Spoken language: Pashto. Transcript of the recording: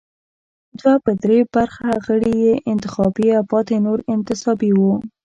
دوه پر درې برخه غړي یې انتخابي او پاتې نور انتصابي وو.